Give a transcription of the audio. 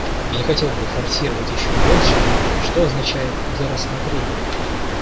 Я не хотел бы форсировать еще больше: что означает "для рассмотрения"?